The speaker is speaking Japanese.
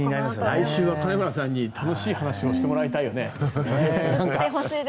来週は金村さんに楽しい話をしてもらいたいよね。